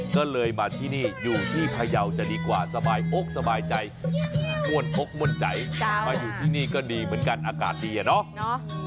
ก็เลยมาที่นี่อยู่ที่พยาวจะดีกว่าสบายอกสบายใจม่วนอกม่วนใจมาอยู่ที่นี่ก็ดีเหมือนกันอากาศดีอะเนาะ